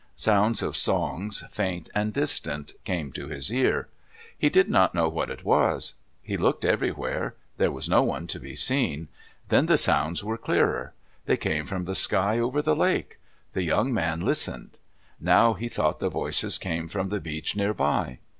Sounds of songs, faint and distant, came to his ear. He did not know what it was. He looked everywhere. There was no one to be seen. Then the sounds were clearer. They came from the sky over the lake. The young man listened. Now he thought the voices came from the beach near by.